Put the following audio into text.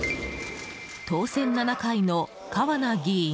当選７回の川名議員。